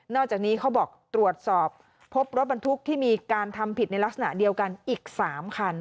อกจากนี้เขาบอกตรวจสอบพบรถบรรทุกที่มีการทำผิดในลักษณะเดียวกันอีก๓คัน